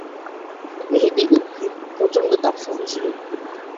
মেহেদি উদ্ভিদ প্রচন্ড তাপ সহনশীল উদ্ভিদ।